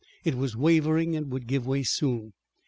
It was wavering and would give way soon.